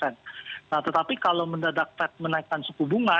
nah tetapi kalau mendadak fed menaikkan suku bunga